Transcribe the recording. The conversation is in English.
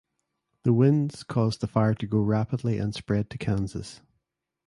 The winds caused the fire to grow rapidly and spread to Kansas.